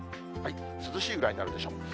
涼しいぐらいになるでしょう。